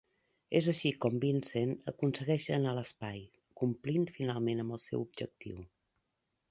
És així com Vincent aconsegueix anar a l'espai, complint finalment amb el seu objectiu.